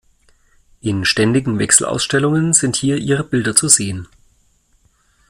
In ständigen Wechselausstellungen sind hier ihre Bilder zu sehen.